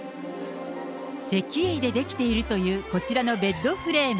石英で出来ているというこちらのベッドフレーム。